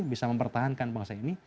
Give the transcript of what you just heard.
bisa mempertahankan bangsa ini